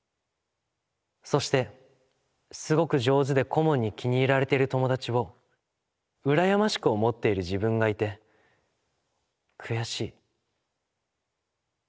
そしてすごく上手で顧問に気に入られている友達をうらやましく思っている自分がいて悔しい。